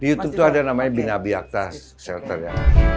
di youtube tuh ada namanya binabi akta shelter ya